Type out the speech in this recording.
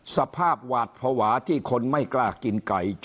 สภาพหวาดภาวะที่คนไม่กล้ากินไก่